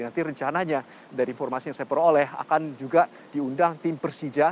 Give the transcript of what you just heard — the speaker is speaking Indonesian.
nanti rencananya dari informasi yang saya peroleh akan juga diundang tim persija